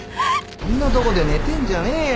こんなとこで寝てんじゃねえよ！